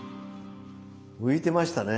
浮いてましたね。